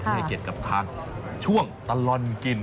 เพื่อให้เก็บกับทางช่วงตลอดกิน